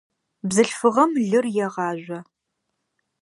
Бзылъфыгъэм лыр егъажъо.